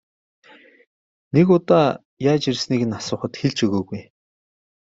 Нэг удаа яаж ирснийг нь асуухад хэлж өгөөгүй.